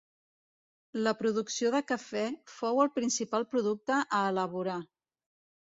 La producció de cafè fou el principal producte a elaborar.